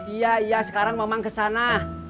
iya iya sekarang mau mang kesana